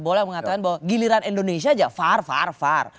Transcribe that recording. bola mengatakan bahwa giliran indonesia aja var var var